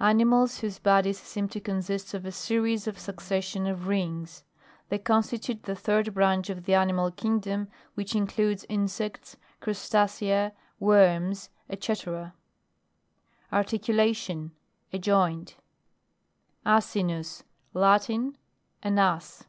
Animals whose bodies seem to consist of a series or succession of rings. They con stitute the third BRANCH of the ani mal kingdom, which includes In sects, Crustacea, Worms, &c. ARTICULATION. A joint. ASINUS. Latin. An ass.